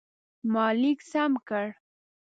ما لیک سم کړ.